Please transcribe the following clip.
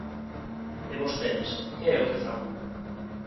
E vostedes ¿que é o que fan?